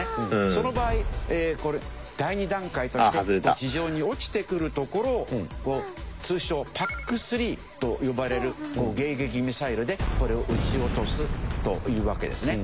その場合これ第２段階として地上に落ちてくるところを通称ＰＡＣ３と呼ばれる迎撃ミサイルでこれを撃ち落とすというわけですね。